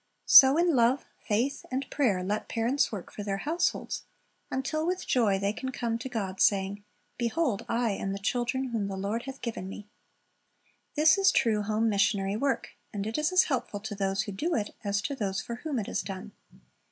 So in love, faith, and prayer let parents work for their households, until with joy they can come to God saying, 196 Christ's Object Lessons "Behold, I and the children whom the Lord hath given me/ ' This is true home missionary work, and it is as helpful to those who do it as to those for whom it is done.